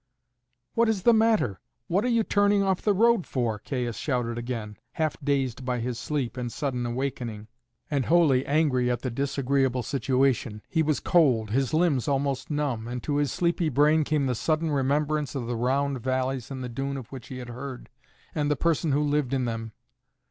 "What is the matter? What are you turning off the road for?" Caius shouted again, half dazed by his sleep and sudden awakening, and wholly angry at the disagreeable situation. He was cold, his limbs almost numb, and to his sleepy brain came the sudden remembrance of the round valleys in the dune of which he had heard, and the person who lived in them.